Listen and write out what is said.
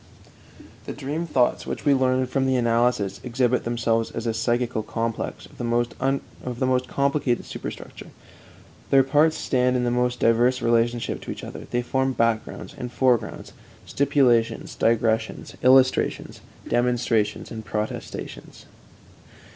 The dream thoughts which we learn from the analysis exhibit themselves as a psychical complex of the most complicated superstructure. Their parts stand in the most diverse relationship to each other; they form backgrounds and foregrounds, stipulations, digressions, illustrations, demonstrations, and protestations.